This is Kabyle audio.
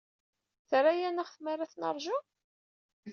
Terra-aneɣ tmara ad t-neṛju?